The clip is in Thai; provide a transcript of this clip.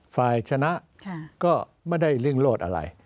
ฝ่ายชนะก็ไม่ได้เร่งโลดอะไร